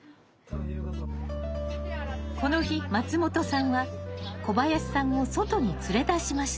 この日松本さんは小林さんを外に連れ出しました。